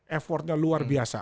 effortnya luar biasa